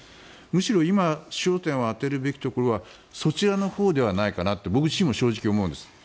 むしろ今焦点を当てるべきところはそちらのほうではないかなと僕自身も正直、思うんです。